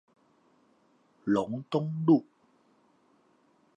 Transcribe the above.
龍東路